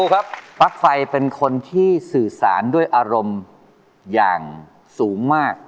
ก็มันคิดถึงเธอ